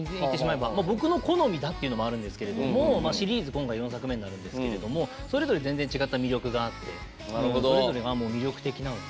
僕の好みだっていうのもあるんですけどシリーズ４作目になるんですけどそれぞれ違った魅力があってそれぞれ魅力的なので。